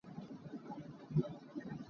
Na chuakter kho maw?